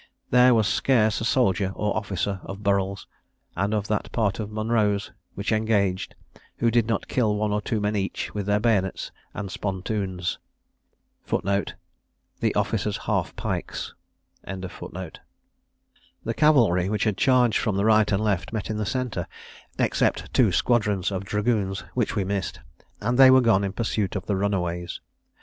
There was scarce a soldier or officer of Burrel's, and of that part of Monro's which engaged, who did not kill one or two men each with their bayonets and spontoons. The cavalry, which had charged from the right and left, met in the centre, except two squadrons of dragoons, which we missed, and they were gone in pursuit of the runaways.